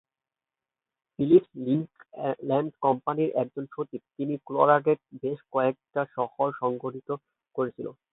Philip's, Lincoln land কোম্পানির একজন সচিব, যিনি কলোরাডোর বেশ কয়েকটা শহর সংগঠিত করেছিলেন।